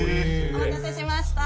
お待たせしました。